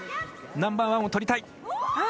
ナンバーワンを取りたい。